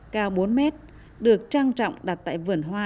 cao bốn mét được trang trọng đặt tại vườn hoa